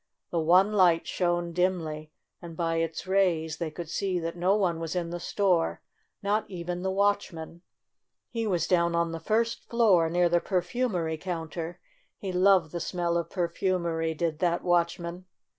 The one light shone dimly, and by its rays they could see that no one was in the store — not even the watchman. He was down on the first floor, near the perfumery coun ter. He loved the smell of perfumery, did that watchman.